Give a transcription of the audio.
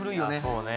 そうね。